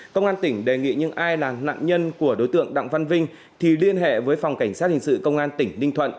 công an tỉnh đề nghị những ai là nạn nhân của đối tượng đặng văn vinh thì liên hệ với phòng cảnh sát hình sự công an tỉnh ninh thuận